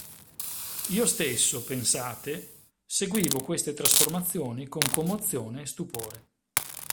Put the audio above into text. Io stesso, pensate, seguivo queste trasformazioni con commozione e stupore.